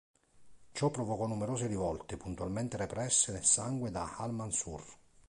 Ciò provocò numerose rivolte, puntualmente represse nel sangue da al-Manṣūr.